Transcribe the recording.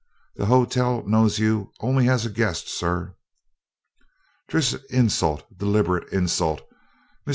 "The hotel knows you only as a guest, sir." "Thish is insult d'lib'rate insult." Mr.